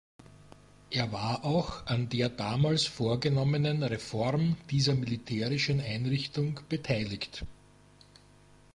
Er war auch an der damals vorgenommenen Reform dieser militärischen Einrichtung beteiligt.